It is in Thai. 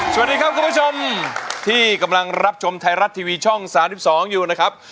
สวัสดีครับคุณผู้ชมที่กำลังรับชมไทยรัฐทีวีช่อง๓๒อยู่นะครับ